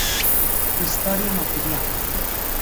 Historia material.